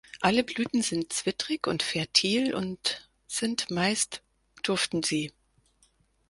Alle Blüten sind zwittrig und fertil und sind meist duften sie.